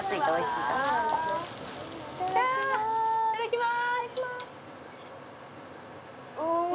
いただきまーす。